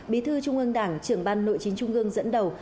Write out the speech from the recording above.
bí thư trung ương đảng trưởng ban nội chính trung ương dẫn đầu